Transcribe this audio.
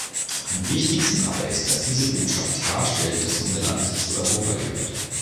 Am wichtigsten aber ist, dass diese Botschaft klarstellt, dass unseres Land zu Europa gehört.